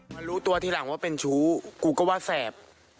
รู้ตัวทีหลังว่าเป็นชู้กูก็ว่าแสบ